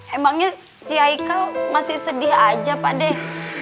emangnya si aikal masih sedih aja pak deh